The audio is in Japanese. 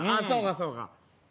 そうかそうか。